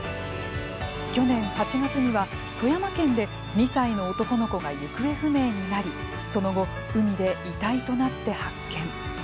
去年８月には、富山県で２歳の男の子が行方不明になりその後、海で遺体となって発見。